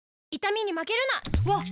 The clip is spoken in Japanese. わっ！